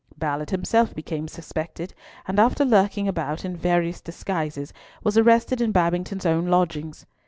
Ballard became himself suspected, and after lurking about in various disguises was arrested in Babington's own lodgings.